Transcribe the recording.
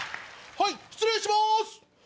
はい失礼します。